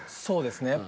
そうですね。